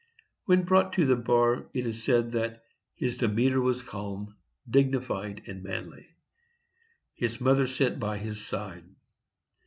When brought to the bar it is said that "his demeanor was calm, dignified and manly." His mother sat by his side.